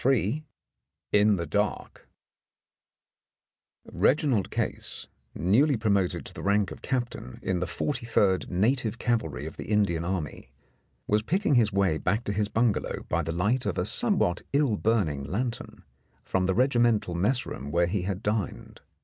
109 IN THE DARK Reginald Case, newly promoted to the rank of Cap tain in the 43rd Native Cavalry of the Indian Army, was picking his way back to his bungalow by the light of a somewhat ill burning lantern from the regimental mess room where he had dined.